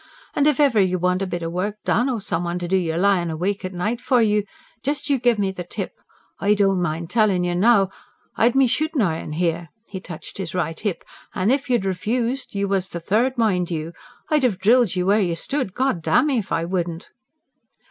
An' if iver you want a bit o' work done, or some one to do your lyin' awake at night for you, just you gimme the tip. I don't mind tellin' you now, I'd me shootin' iron here" he touched his right hip "an' if you'd refused you was the third, mind you, I'd have drilled you where you stood, God damn me if I wouldn't!"